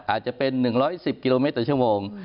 อาจจะเป็น๑๑๐กิโลเมตรต่อชั่วโมง